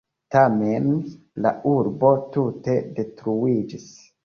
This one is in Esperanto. Tamen, la urbo tute detruiĝis.